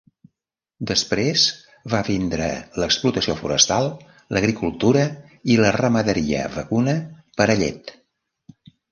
Després va vindre l'explotació forestal, l'agricultura i la ramaderia vacuna per a llet.